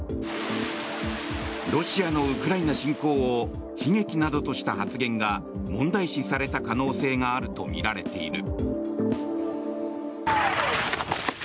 ロシアのウクライナ侵攻を悲劇などとした発言が問題視された可能性があるとみられている。